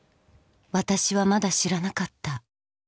私はまだ知らなかった